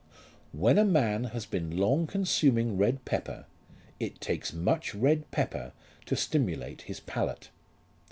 When a man has been long consuming red pepper, it takes much red pepper to stimulate his palate.